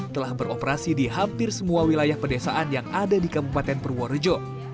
telah beroperasi di hampir semua wilayah pedesaan yang ada di kabupaten purworejo